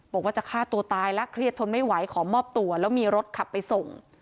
บอกว่าจะฆ่าตัวตายแล้วเครียดทนไม่ไหวขอมอบตัวแล้วมีรถขับไปส่ง